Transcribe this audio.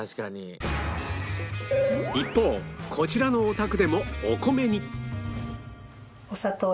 一方こちらのお宅でもお米に